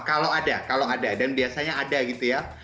kalau ada kalau ada dan biasanya ada gitu ya